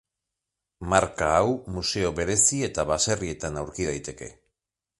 Marka hau museo berezi eta baserrietan aurki daiteke.